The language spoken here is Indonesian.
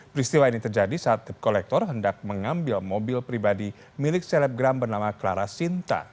peristiwa ini terjadi saat dep kolektor hendak mengambil mobil pribadi milik selebgram bernama clara sinta